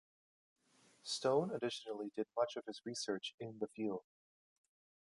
Stone additionally did much of his research "in the field".